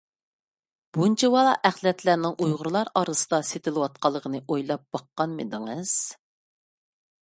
بۇنچىۋالا ئەخلەتلەرنىڭ ئۇيغۇرلار ئارىسىدا سېتىلىۋاتقانلىقىنى ئويلاپ باققانمىدىڭىز؟